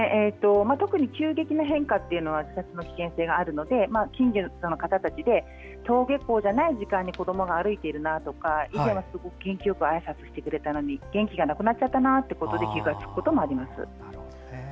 特に急激な変化は自殺の危険性があるので近所の方たちで登下校じゃない時間に子どもが歩いているなとか以前は元気よくあいさつしてくれていたのに元気がなくなったことで気が付くこともあります。